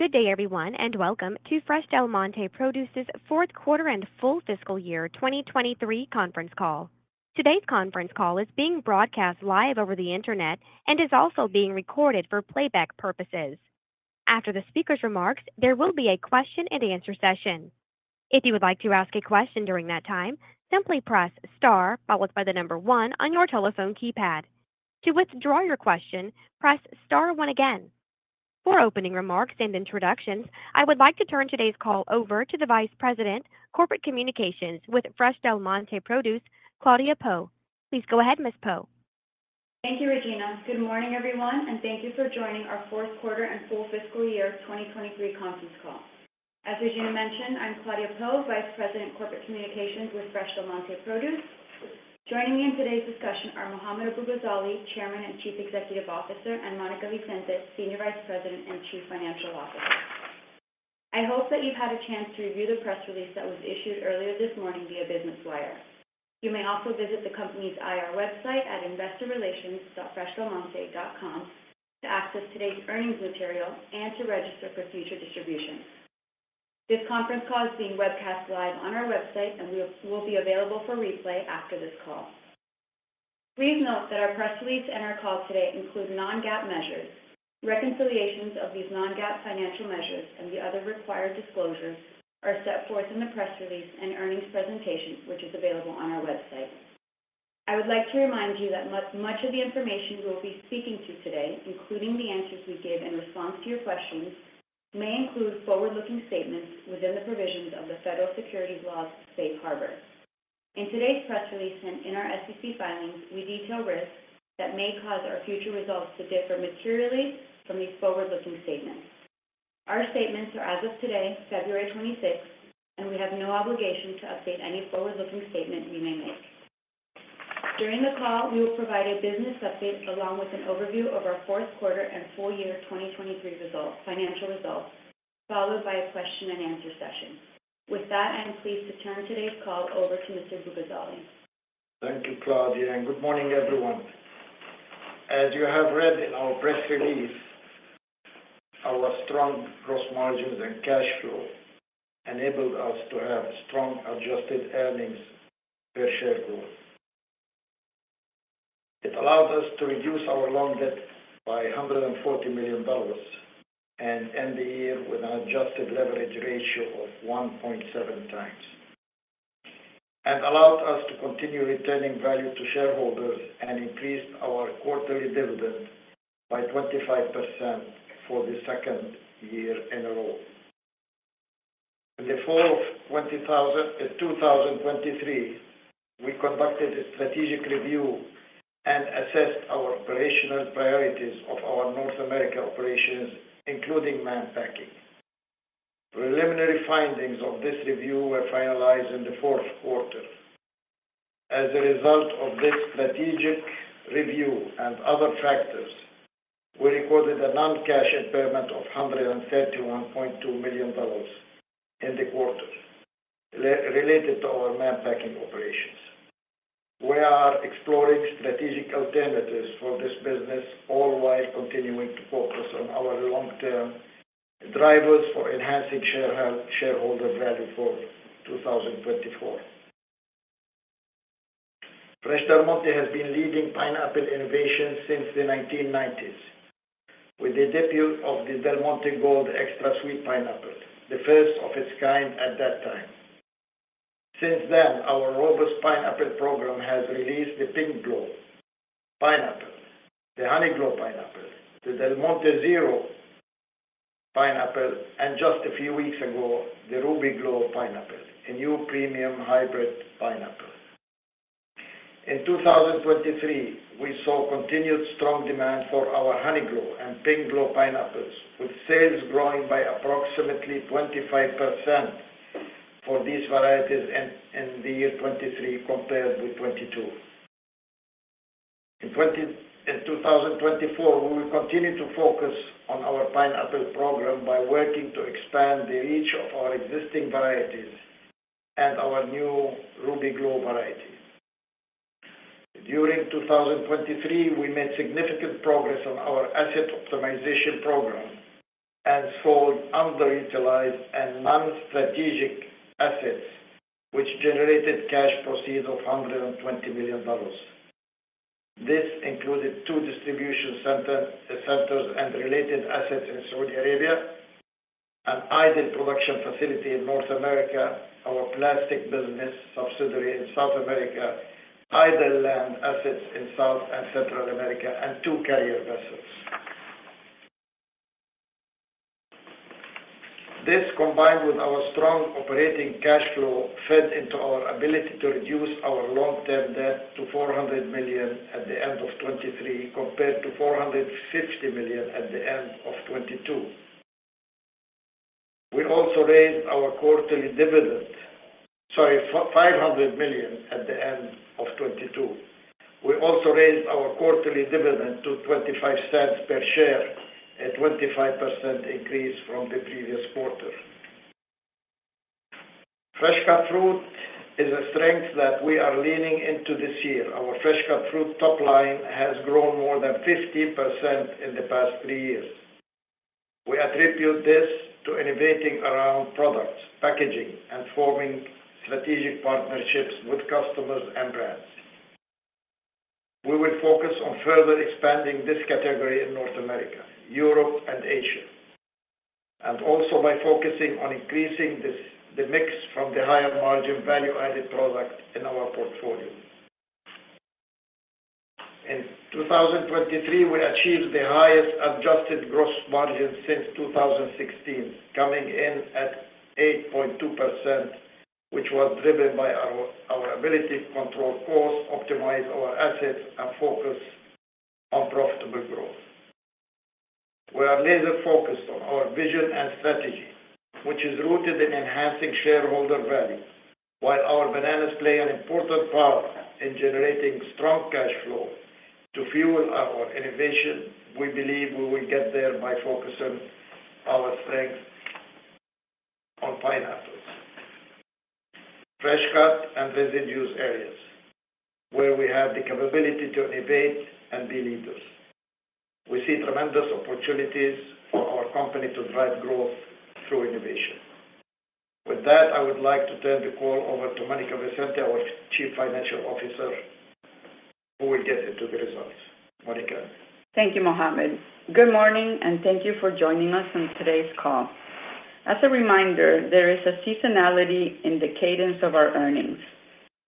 Good day, everyone, and welcome to Fresh Del Monte Produce's fourth quarter and full fiscal year 2023 conference call. Today's conference call is being broadcast live over the internet and is also being recorded for playback purposes. After the speaker's remarks, there will be a question-and-answer session. If you would like to ask a question during that time, simply press star followed by the number 1 on your telephone keypad. To withdraw your question, press star one again. For opening remarks and introductions, I would like to turn today's call over to the Vice President, Corporate Communications with Fresh Del Monte Produce, Claudia Pou. Please go ahead, Ms. Pou. Thank you, Regina. Good morning, everyone, and thank you for joining our fourth quarter and full fiscal year 2023 conference call. As Regina mentioned, I'm Claudia Pou, Vice President, Corporate Communications with Fresh Del Monte Produce. Joining me in today's discussion are Mohammad Abu-Ghazaleh, Chairman and Chief Executive Officer, and Monica Vicente, Senior Vice President and Chief Financial Officer. I hope that you've had a chance to review the press release that was issued earlier this morning via Business Wire. You may also visit the company's IR website at investorrelations.freshdelmonte.com to access today's earnings material and to register for future distribution. This conference call is being webcast live on our website and will be available for replay after this call. Please note that our press release and our call today include non-GAAP measures. Reconciliations of these non-GAAP financial measures and the other required disclosures are set forth in the press release and earnings presentation, which is available on our website. I would like to remind you that much of the information we will be speaking to today, including the answers we give in response to your questions, may include forward-looking statements within the provisions of the Federal Securities Law's Safe Harbor. In today's press release and in our SEC filings, we detail risks that may cause our future results to differ materially from these forward-looking statements. Our statements are as of today, February 26th, and we have no obligation to update any forward-looking statement we may make. During the call, we will provide a business update along with an overview of our fourth quarter and full year 2023 financial results, followed by a question-and-answer session. With that, I am pleased to turn today's call over to Mr. Abu-Ghazaleh. Thank you, Claudia, and good morning, everyone. As you have read in our press release, our strong gross margins and cash flow enabled us to have strong adjusted earnings per share growth. It allowed us to reduce our long-term debt by $140 million and end the year with an adjusted leverage ratio of 1.7x, and allowed us to continue returning value to shareholders and increased our quarterly dividend by 25% for the second year in a row. In the fall of 2023, we conducted a strategic review and assessed our operational priorities of our North America operations, including Mann Packing. Preliminary findings of this review were finalized in the fourth quarter. As a result of this strategic review and other factors, we recorded a non-cash impairment of $131.2 million in the quarter related to our Mann Packing operations. We are exploring strategic alternatives for this business all while continuing to focus on our long-term drivers for enhancing shareholder value for 2024. Fresh Del Monte has been leading pineapple innovation since the 1990s with the debut of the Del Monte Gold Extra Sweet Pineapple, the first of its kind at that time. Since then, our robust pineapple program has released the Pinkglow Pineapple, the Honeyglow Pineapple, the Del Monte Zero Pineapple, and just a few weeks ago, the Rubyglow Pineapple, a new premium hybrid pineapple. In 2023, we saw continued strong demand for our Honeyglow and Pinkglow Pineapples, with sales growing by approximately 25% for these varieties in the year 2023 compared with 2022. In 2024, we will continue to focus on our pineapple program by working to expand the reach of our existing varieties and our new Rubyglow variety. During 2023, we made significant progress on our asset optimization program and sold underutilized and non-strategic assets, which generated cash proceeds of $120 million. This included two distribution centers and related assets in Saudi Arabia, an idle production facility in North America, our plastic business subsidiary in South America, idle land assets in South and Central America, and two carrier vessels. This, combined with our strong operating cash flow, fed into our ability to reduce our long-term debt to $400 million at the end of 2023 compared to $450 million at the end of 2022. We also raised our quarterly dividend - sorry, $500 million at the end of 2022. We also raised our quarterly dividend to $0.25 per share, a 25% increase from the previous quarter. Fresh Cut Fruit is a strength that we are leaning into this year. Our fresh-cut fruit top line has grown more than 15% in the past three years. We attribute this to innovating around products, packaging, and forming strategic partnerships with customers and brands. We will focus on further expanding this category in North America, Europe, and Asia, and also by focusing on increasing the mix from the higher margin value-added product in our portfolio. In 2023, we achieved the highest adjusted gross margin since 2016, coming in at 8.2%, which was driven by our ability to control costs, optimize our assets, and focus on profitable growth. We are laser-focused on our vision and strategy, which is rooted in enhancing shareholder value. While our bananas play an important part in generating strong cash flow to fuel our innovation, we believe we will get there by focusing our strengths on pineapples, fresh-cut, and avocado areas where we have the capability to innovate and be leaders. We see tremendous opportunities for our company to drive growth through innovation. With that, I would like to turn the call over to Monica Vicente, our Chief Financial Officer, who will get into the results. Monica. Thank you, Mohammad. Good morning, and thank you for joining us on today's call. As a reminder, there is a seasonality in the cadence of our earnings.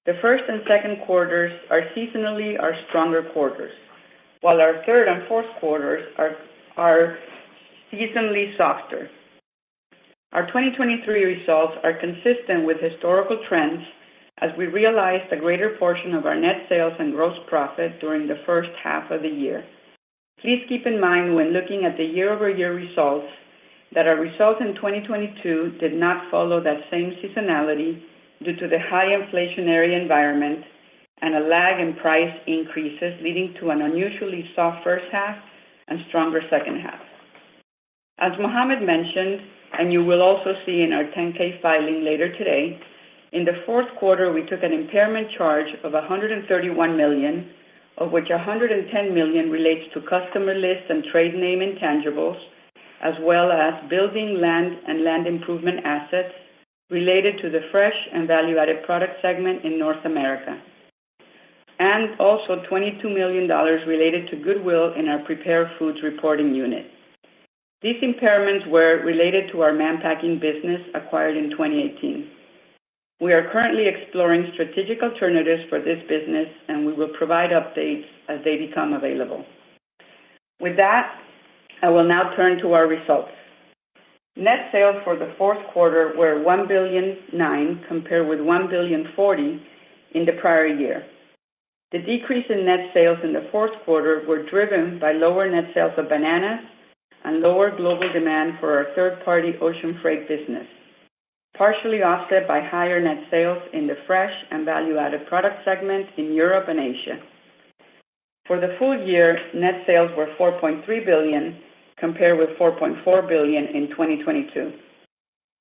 The first and second quarters are seasonally our stronger quarters, while our third and fourth quarters are seasonally softer. Our 2023 results are consistent with historical trends as we realized a greater portion of our net sales and gross profit during the first half of the year. Please keep in mind when looking at the year-over-year results that our results in 2022 did not follow that same seasonality due to the high inflationary environment and a lag in price increases leading to an unusually soft first half and stronger second half. As Mohammad mentioned, and you will also see in our 10-K filing later today, in the fourth quarter, we took an impairment charge of $131 million, of which $110 million relates to customer lists and trade name intangibles, as well as building, land, and land improvement assets related to the fresh and value-added product segment in North America, and also $22 million related to goodwill in our Prepared Foods reporting unit. These impairments were related to our Mann Packing business acquired in 2018. We are currently exploring strategic alternatives for this business, and we will provide updates as they become available. With that, I will now turn to our results. Net sales for the fourth quarter were $1.09 billion compared with $1.04 billion in the prior year. The decrease in net sales in the fourth quarter was driven by lower net sales of bananas and lower global demand for our third-party ocean freight business, partially offset by higher net sales in the fresh and value-added product segment in Europe and Asia. For the full year, net sales were $4.3 billion compared with $4.4 billion in 2022.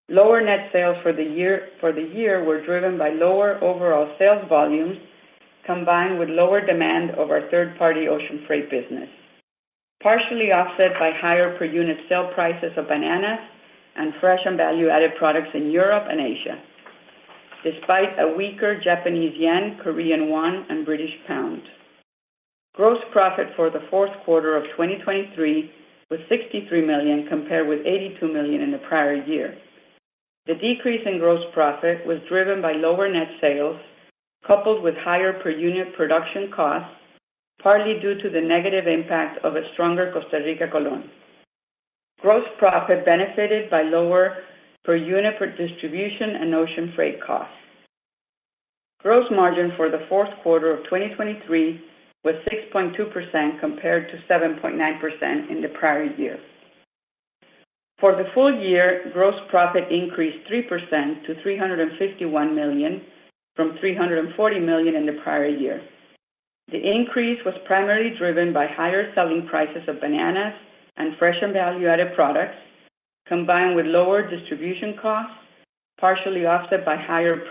Lower net sales for the year were driven by lower overall sales volumes combined with lower demand of our third-party ocean freight business, partially offset by higher per unit sale prices of bananas and fresh and value-added products in Europe and Asia, despite a weaker Japanese yen, Korean won, and British pound. Gross profit for the fourth quarter of 2023 was $63 million compared with $82 million in the prior year. The decrease in gross profit was driven by lower net sales coupled with higher per unit production costs, partly due to the negative impact of a stronger Costa Rican colón. Gross profit benefited by lower per unit distribution and ocean freight costs. Gross margin for the fourth quarter of 2023 was 6.2% compared to 7.9% in the prior year. For the full year, gross profit increased 3% to $351 million from $340 million in the prior year. The increase was primarily driven by higher selling prices of bananas and fresh and value-added products combined with lower distribution costs, partially offset by higher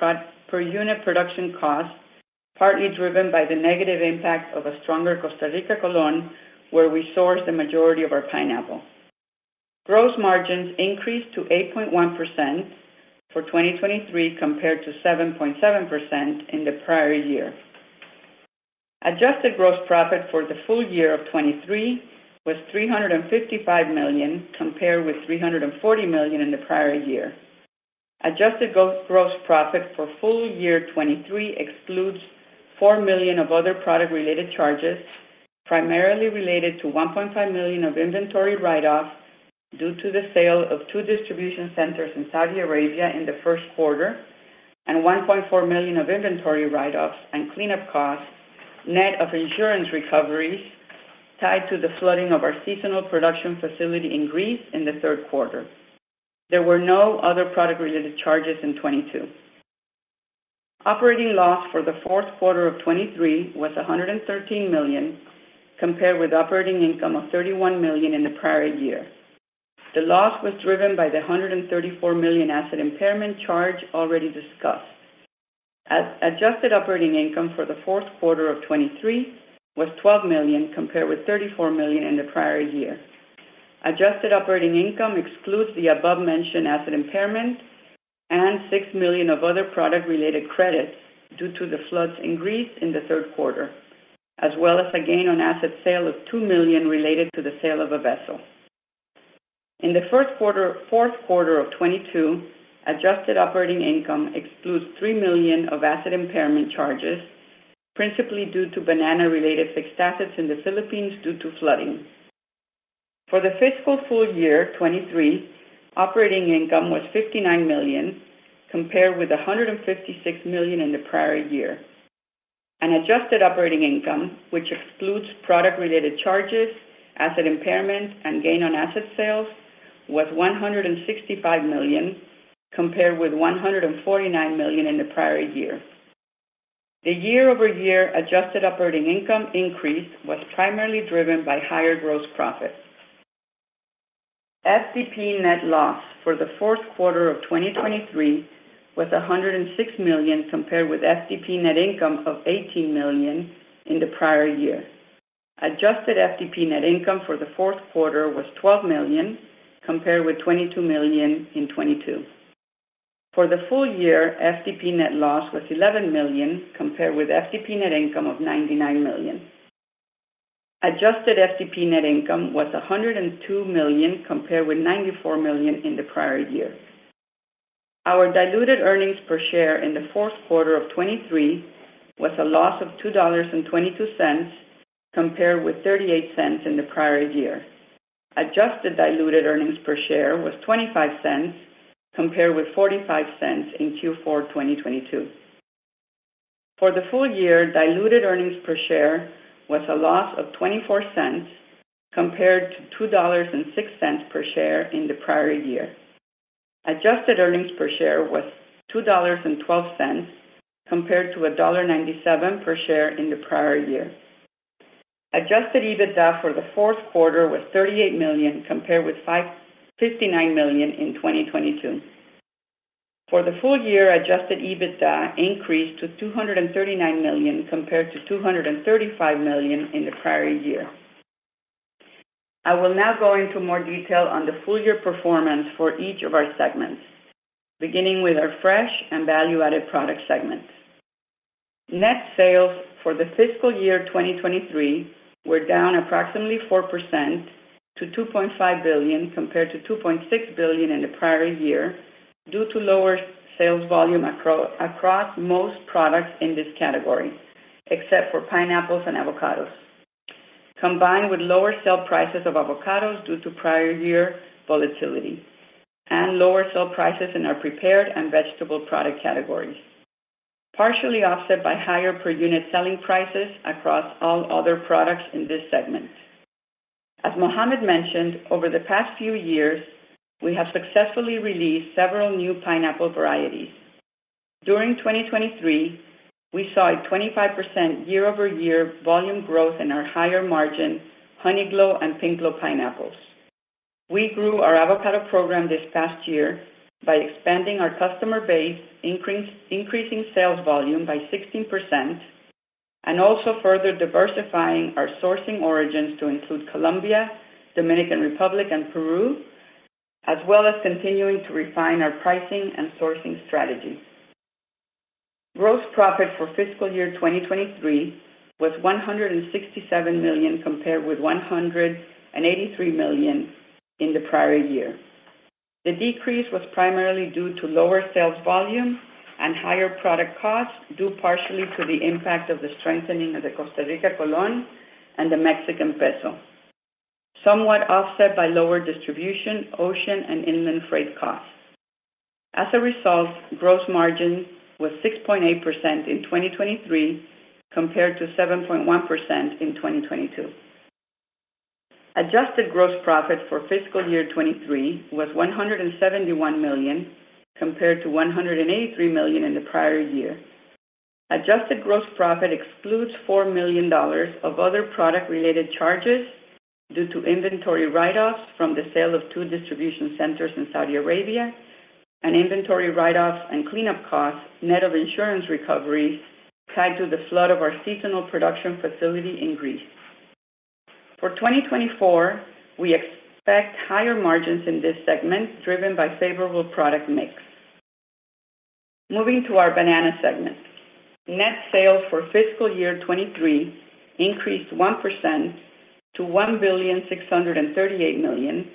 per unit production costs, partly driven by the negative impact of a stronger Costa Rican colón where we source the majority of our pineapple. Gross margins increased to 8.1% for 2023 compared to 7.7% in the prior year. Adjusted gross profit for the full year of 2023 was $355 million compared with $340 million in the prior year. Adjusted gross profit for full year 2023 excludes $4 million of other product-related charges, primarily related to $1.5 million of inventory write-off due to the sale of two distribution centers in Saudi Arabia in the first quarter, and $1.4 million of inventory write-offs and cleanup costs, net of insurance recoveries tied to the flooding of our seasonal production facility in Greece in the third quarter. There were no other product-related charges in 2022. Operating loss for the fourth quarter of 2023 was $113 million compared with operating income of $31 million in the prior year. The loss was driven by the $134 million asset impairment charge already discussed. Adjusted operating income for the fourth quarter of 2023 was $12 million compared with $34 million in the prior year. Adjusted operating income excludes the above-mentioned asset impairment and $6 million of other product-related credits due to the floods in Greece in the third quarter, as well as a gain on asset sale of $2 million related to the sale of a vessel. In the fourth quarter of 2022, adjusted operating income excludes $3 million of asset impairment charges, principally due to banana-related fixed assets in the Philippines due to flooding. For the fiscal full year 2023, operating income was $59 million compared with $156 million in the prior year. An adjusted operating income, which excludes product-related charges, asset impairment, and gain on asset sales, was $165 million compared with $149 million in the prior year. The year-over-year adjusted operating income increase was primarily driven by higher gross profit. FDP net loss for the fourth quarter of 2023 was $106 million compared with FDP net income of $18 million in the prior year. Adjusted FDP net income for the fourth quarter was $12 million compared with $22 million in 2022. For the full year, FDP net loss was $11 million compared with FDP net income of $99 million. Adjusted FDP net income was $102 million compared with $94 million in the prior year. Our diluted earnings per share in the fourth quarter of 2023 was a loss of $2.22 compared with $0.38 in the prior year. Adjusted diluted earnings per share was $0.25 compared with $0.45 in Q4 2022. For the full year, diluted earnings per share was a loss of $0.24 compared to $2.06 per share in the prior year. Adjusted earnings per share was $2.12 compared to $1.97 per share in the prior year. Adjusted EBITDA for the fourth quarter was $38 million compared with $59 million in 2022. For the full year, adjusted EBITDA increased to $239 million compared to $235 million in the prior year. I will now go into more detail on the full-year performance for each of our segments, beginning with our Fresh and Value-Added Products segments. Net sales for the fiscal year 2023 were down approximately 4% to $2.5 billion compared to $2.6 billion in the prior year due to lower sales volume across most products in this category, except for pineapples and avocados, combined with lower selling prices of avocados due to prior year volatility and lower selling prices in our prepared and vegetable product categories, partially offset by higher per unit selling prices across all other products in this segment. As Mohammad mentioned, over the past few years, we have successfully released several new pineapple varieties. During 2023, we saw a 25% year-over-year volume growth in our higher margin Honeyglow and Pinkglow pineapples. We grew our avocado program this past year by expanding our customer base, increasing sales volume by 16%, and also further diversifying our sourcing origins to include Colombia, Dominican Republic, and Peru, as well as continuing to refine our pricing and sourcing strategy. Gross profit for fiscal year 2023 was $167 million compared with $183 million in the prior year. The decrease was primarily due to lower sales volume and higher product costs due partially to the impact of the strengthening of the Costa Rican colón and the Mexican peso, somewhat offset by lower distribution, ocean, and inland freight costs. As a result, gross margin was 6.8% in 2023 compared to 7.1% in 2022. Adjusted gross profit for fiscal year 2023 was $171 million compared to $183 million in the prior year. Adjusted gross profit excludes $4 million of other product-related charges due to inventory write-offs from the sale of two distribution centers in Saudi Arabia and inventory write-offs and cleanup costs net of insurance recoveries tied to the flood of our seasonal production facility in Greece. For 2024, we expect higher margins in this segment driven by favorable product mix. Moving to our Banana segment, net sales for fiscal year 2023 increased 1% to $1,638 million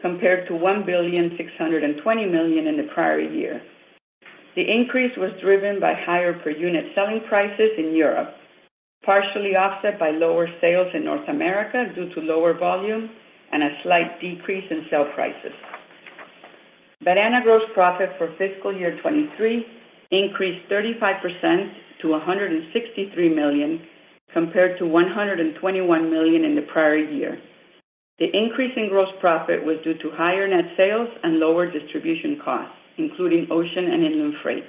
compared to $1,620 million in the prior year. The increase was driven by higher per unit selling prices in Europe, partially offset by lower sales in North America due to lower volume and a slight decrease in sell prices. Banana gross profit for fiscal year 2023 increased 35% to $163 million compared to $121 million in the prior year. The increase in gross profit was due to higher net sales and lower distribution costs, including ocean and inland freight.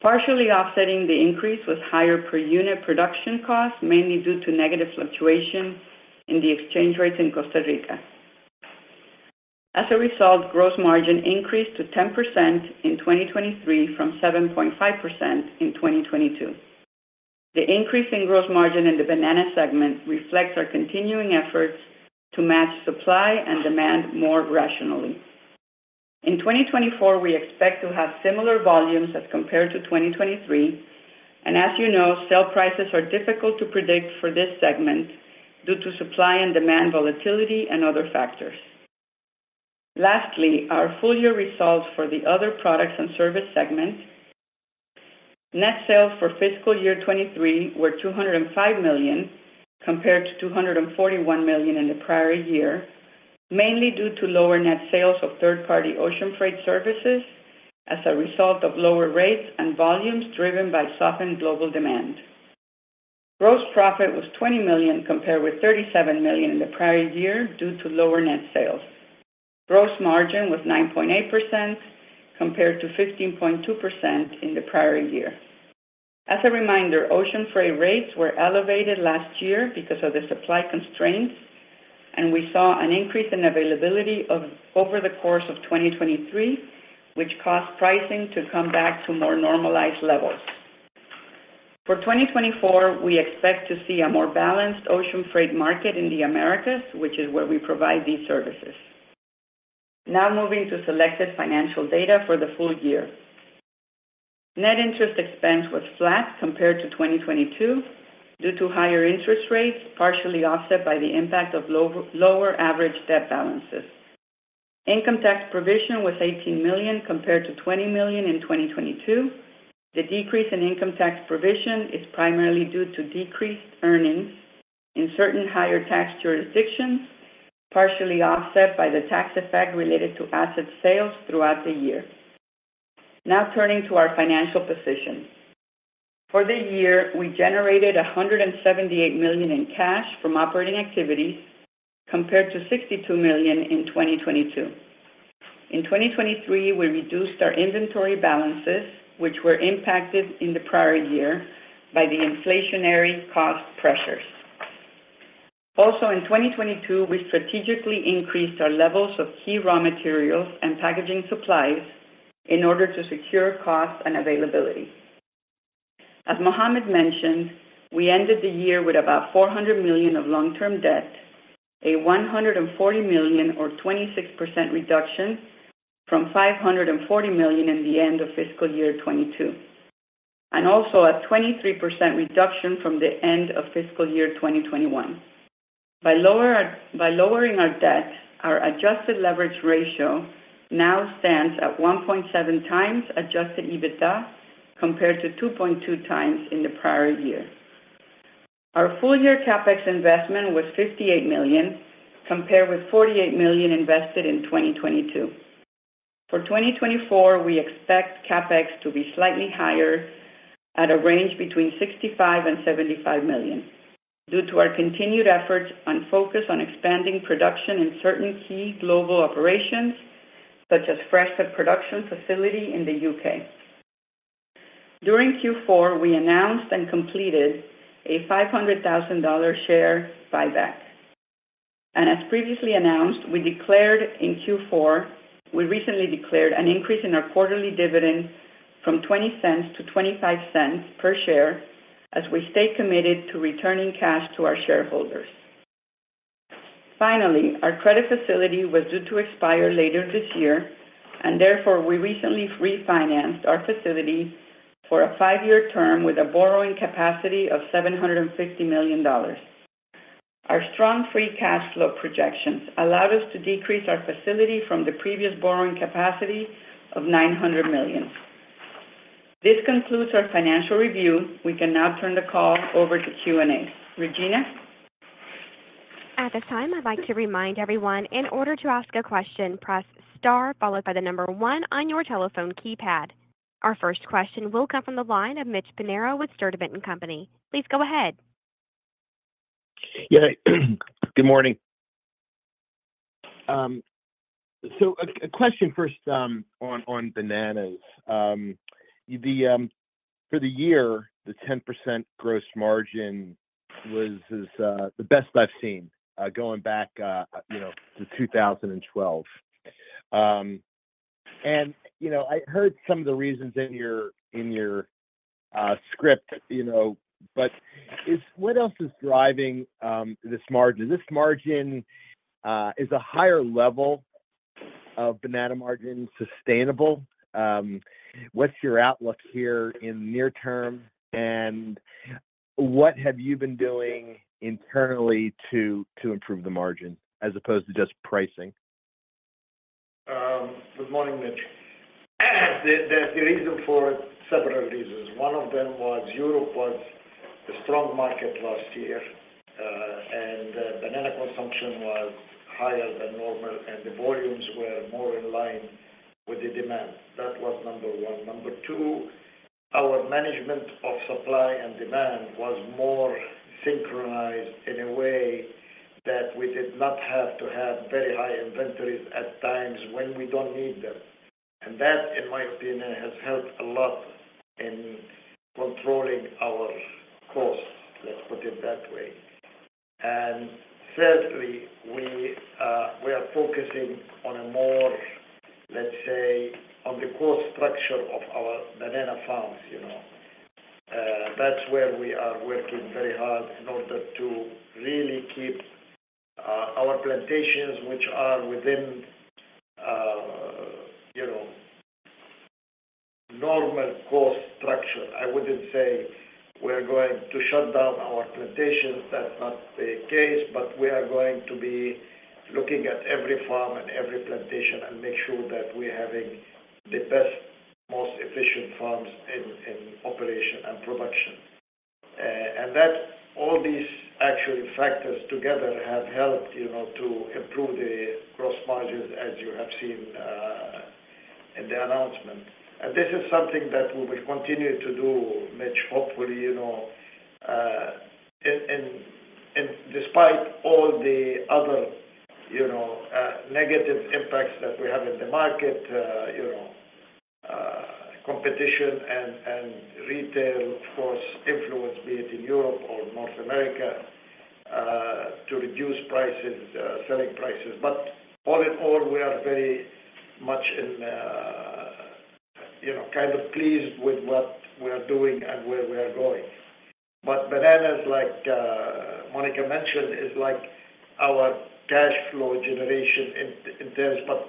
Partially offsetting the increase was higher per unit production costs, mainly due to negative fluctuation in the exchange rates in Costa Rica. As a result, gross margin increased to 10% in 2023 from 7.5% in 2022. The increase in gross margin in the banana segment reflects our continuing efforts to match supply and demand more rationally. In 2024, we expect to have similar volumes as compared to 2023. And as you know, sell prices are difficult to predict for this segment due to supply and demand volatility and other factors. Lastly, our full-year results for the Other Products and Services segment, net sales for fiscal year 2023 were $205 million compared to $241 million in the prior year, mainly due to lower net sales of third-party ocean freight services as a result of lower rates and volumes driven by softened global demand. Gross profit was $20 million compared with $37 million in the prior year due to lower net sales. Gross margin was 9.8% compared to 15.2% in the prior year. As a reminder, ocean freight rates were elevated last year because of the supply constraints, and we saw an increase in availability over the course of 2023, which caused pricing to come back to more normalized levels. For 2024, we expect to see a more balanced ocean freight market in the Americas, which is where we provide these services. Now moving to selected financial data for the full year. Net interest expense was flat compared to 2022 due to higher interest rates, partially offset by the impact of lower average debt balances. Income tax provision was $18 million compared to $20 million in 2022. The decrease in income tax provision is primarily due to decreased earnings in certain higher tax jurisdictions, partially offset by the tax effect related to asset sales throughout the year. Now turning to our financial position. For the year, we generated $178 million in cash from operating activities compared to $62 million in 2022. In 2023, we reduced our inventory balances, which were impacted in the prior year by the inflationary cost pressures. Also, in 2022, we strategically increased our levels of key raw materials and packaging supplies in order to secure costs and availability. As Mohammad mentioned, we ended the year with about $400 million of long-term debt, a $140 million or 26% reduction from $540 million in the end of fiscal year 2022, and also a 23% reduction from the end of fiscal year 2021. By lowering our debt, our adjusted leverage ratio now stands at 1.7 times adjusted EBITDA compared to 2.2 times in the prior year. Our full-year Capex investment was $58 million compared with $48 million invested in 2022. For 2024, we expect Capex to be slightly higher at a range between $65 million-$75 million due to our continued efforts and focus on expanding production in certain key global operations, such as fresh food production facility in the U.K. During Q4, we announced and completed a $500,000 share buyback. As previously announced, we declared in Q4, we recently declared an increase in our quarterly dividend from $0.20-$0.25 per share as we stay committed to returning cash to our shareholders. Finally, our credit facility was due to expire later this year, and therefore we recently refinanced our facility for a five-year term with a borrowing capacity of $750 million. Our strong free cash flow projections allowed us to decrease our facility from the previous borrowing capacity of $900 million. This concludes our financial review. We can now turn the call over to Q&A. Regina? At this time, I'd like to remind everyone, in order to ask a question, press star followed by the number one on your telephone keypad. Our first question will come from the line of Mitch Pinheiro with Sturdivant & Company. Please go ahead. Yeah. Good morning. So a question first on bananas. For the year, the 10% gross margin was the best I've seen going back to 2012. And I heard some of the reasons in your script, but what else is driving this margin? This margin is a higher level of banana margin sustainable. What's your outlook here in the near term, and what have you been doing internally to improve the margin as opposed to just pricing? Good morning, Mitch. There's a reason for it, several reasons. One of them was Europe was a strong market last year, and banana consumption was higher than normal, and the volumes were more in line with the demand. That was number one. Number two, our management of supply and demand was more synchronized in a way that we did not have to have very high inventories at times when we don't need them. And that, in my opinion, has helped a lot in controlling our costs. Let's put it that way. And thirdly, we are focusing on a more, let's say, on the core structure of our banana farms. That's where we are working very hard in order to really keep our plantations, which are within normal core structure. I wouldn't say we're going to shut down our plantations. That's not the case, but we are going to be looking at every farm and every plantation and make sure that we're having the best, most efficient farms in operation and production. All these actual factors together have helped to improve the gross margins, as you have seen in the announcement. This is something that we will continue to do, Mitch, hopefully, despite all the other negative impacts that we have in the market, competition, and retail, of course, influence, be it in Europe or North America, to reduce selling prices. All in all, we are very much kind of pleased with what we are doing and where we are going. But bananas, like Monica mentioned, is our cash flow generation in terms, but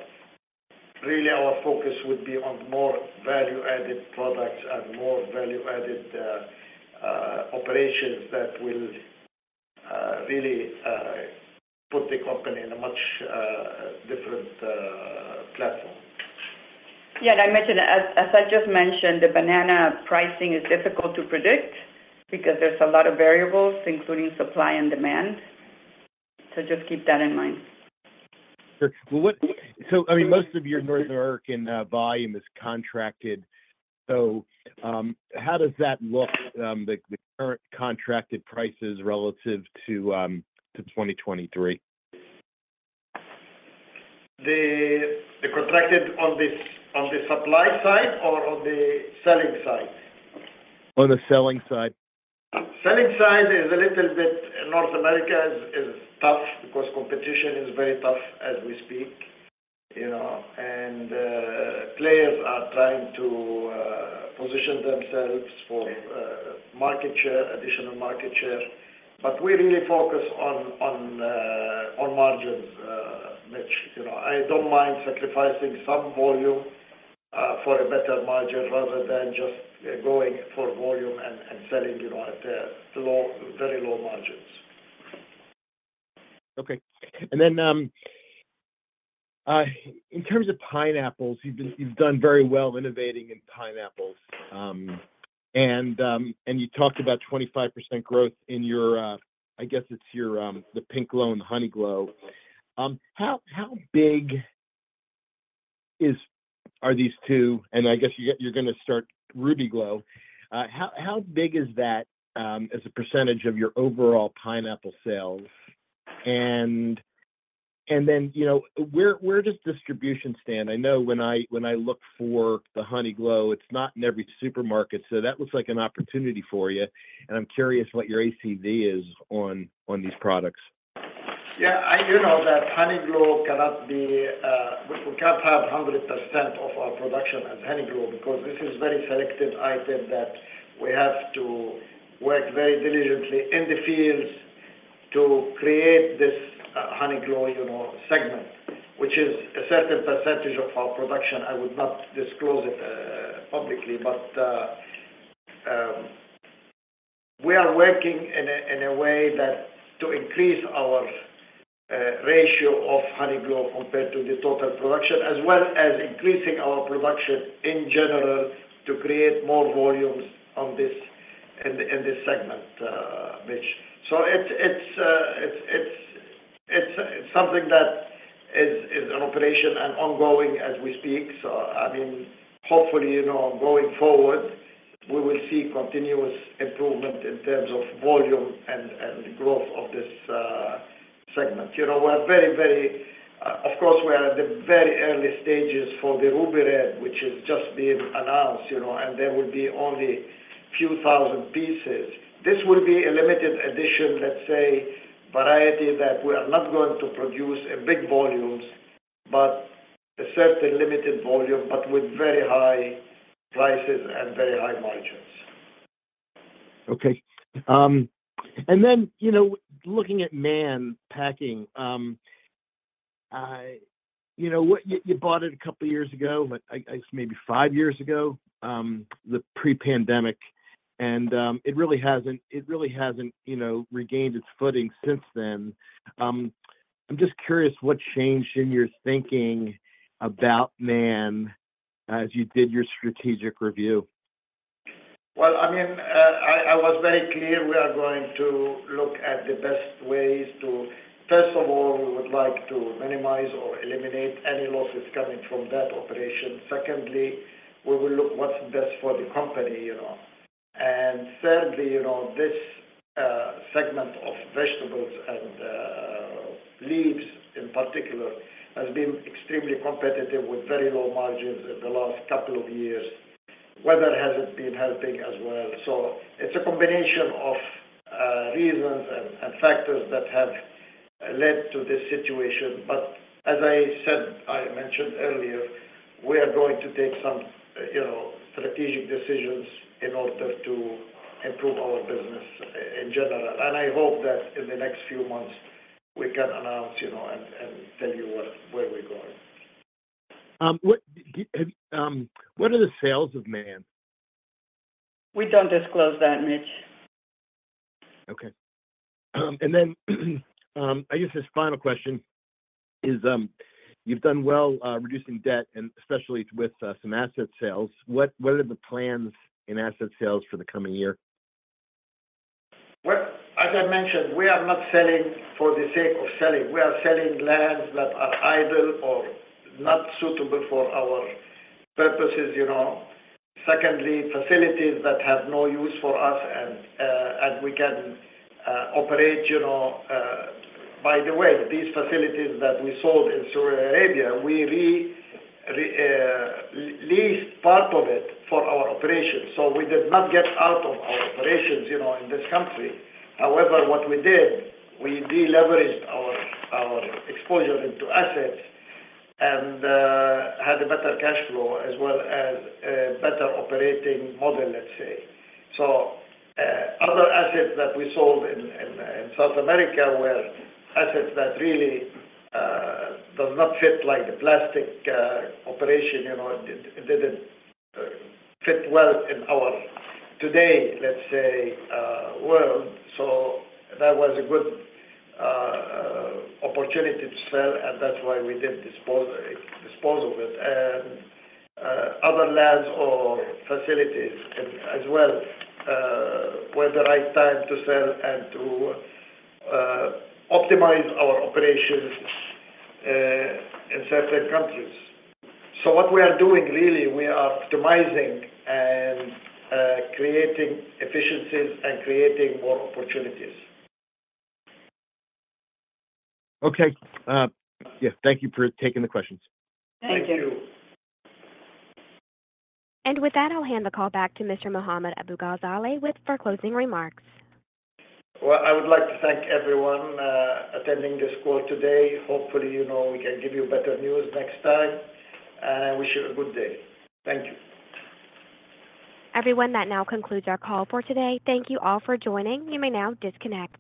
really, our focus would be on more value-added products and more value-added operations that will really put the company in a much different platform. Yeah. And as I just mentioned, the banana pricing is difficult to predict because there's a lot of variables, including supply and demand. So just keep that in mind. Sure. So, I mean, most of your North American volume is contracted. So how does that look, the current contracted prices relative to 2023? The contracted on the supply side or on the selling side? On the selling side. Selling side is a little bit. North America is tough because competition is very tough as we speak. Players are trying to position themselves for additional market share. We really focus on margins, Mitch. I don't mind sacrificing some volume for a better margin rather than just going for volume and selling at very low margins. Okay. And then in terms of pineapples, you've done very well innovating in pineapples. And you talked about 25% growth in your I guess it's the Pinkglow, the Honeyglow. How big are these two? And I guess you're going to start Rubyglow. How big is that as a percentage of your overall pineapple sales? And then where does distribution stand? I know when I look for the Honeyglow, it's not in every supermarket. So that looks like an opportunity for you. And I'm curious what your ACV is on these products. Yeah. That Honeyglow cannot be, we can't have 100% of our production as Honeyglow because this is a very selective item that we have to work very diligently in the fields to create this Honeyglow segment, which is a certain percentage of our production. I would not disclose it publicly, but we are working in a way to increase our ratio of Honeyglow compared to the total production, as well as increasing our production in general to create more volumes in this segment, Mitch. So it's something that is an operation and ongoing as we speak. So, I mean, hopefully, going forward, we will see continuous improvement in terms of volume and growth of this segment. We are very, very of course, we are in the very early stages for the Rubyglow, which has just been announced, and there will be only a few thousand pieces. This will be a limited edition, let's say, variety that we are not going to produce in big volumes, but a certain limited volume, but with very high prices and very high margins. Okay. And then looking at Mann Packing, you bought it a couple of years ago, maybe five years ago, the pre-pandemic, and it really hasn't regained its footing since then. I'm just curious what changed in your thinking about Mann Packing as you did your strategic review. Well, I mean, I was very clear. We are going to look at the best ways to first of all, we would like to minimize or eliminate any losses coming from that operation. Secondly, we will look what's best for the company. And thirdly, this segment of vegetables and leaves, in particular, has been extremely competitive with very low margins in the last couple of years. Weather hasn't been helping as well. So it's a combination of reasons and factors that have led to this situation. But as I mentioned earlier, we are going to take some strategic decisions in order to improve our business in general. And I hope that in the next few months, we can announce and tell you where we're going. What are the sales of Mann? We don't disclose that, Mitch. Okay. And then I guess this final question is, you've done well reducing debt, especially with some asset sales. What are the plans in asset sales for the coming year? As I mentioned, we are not selling for the sake of selling. We are selling lands that are idle or not suitable for our purposes. Secondly, facilities that have no use for us and we can operate. By the way, these facilities that we sold in Saudi Arabia, we leased part of it for our operation. So we did not get out of our operations in this country. However, what we did, we deleveraged our exposure into assets and had a better cash flow as well as a better operating model, let's say. So other assets that we sold in South America were assets that really do not fit like the plastic operation. It didn't fit well in our today, let's say, world. So that was a good opportunity to sell, and that's why we did dispose of it. Other lands or facilities as well were the right time to sell and to optimize our operations in certain countries. What we are doing, really, we are optimizing and creating efficiencies and creating more opportunities. Okay. Yeah. Thank you for taking the questions. Thank you. Thank you. With that, I'll hand the call back to Mr. Mohammad Abu-Ghazaleh for closing remarks. Well, I would like to thank everyone attending this call today. Hopefully, we can give you better news next time. I wish you a good day. Thank you. Everyone, that now concludes our call for today. Thank you all for joining. You may now disconnect.